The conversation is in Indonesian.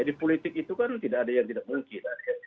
di politik itu kan tidak ada yang tidak mungkin